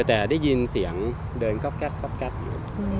แต่ได้ยินเสียงเดินก๊อบอยู่